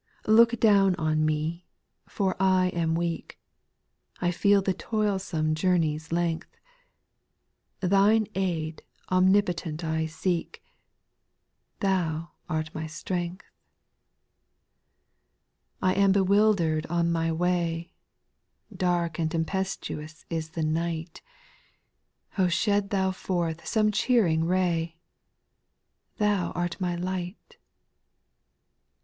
(* Look down on me, for I am weak ; I feel the toilsome journey's length ; Thine aid omnipotent I seek ;— Thou art my strength. ) SPIRITUAL SONGS. 121 d.( I am bewildered on my way ; Dark and tempestuous is the night : shed Thou forth some cheerii^g ray ;— Thou art my light.